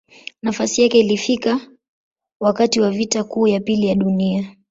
Nafasi yake alifika wakati wa Vita Kuu ya Pili ya Dunia.